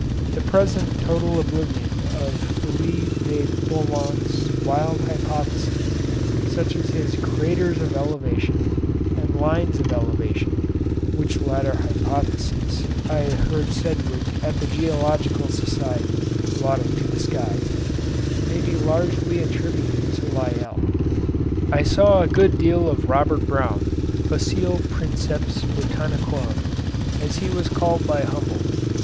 The present total oblivion of Elie de Beaumont's wild hypotheses, such as his 'Craters of Elevation' and 'Lines of Elevation' (which latter hypothesis I heard Sedgwick at the Geological Society lauding to the skies), may be largely attributed to Lyell. I saw a good deal of Robert Brown, "facile Princeps Botanicorum," as he was called by Humboldt.